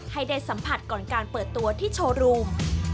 ให้ได้สัมผัสก่อนการเปิดตัวที่โชว์รูม